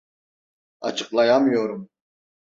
Açıklayamıyorum.